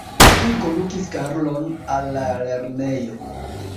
Kiu kondukis Karlon al la lernejo?